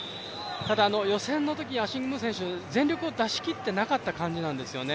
ただ、予選のとき、アシング・ムー選手、全力を出し切っていなかった感じなんですよね。